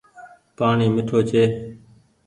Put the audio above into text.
پآڻيٚ ميِٺو ڇي۔